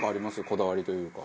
こだわりというか。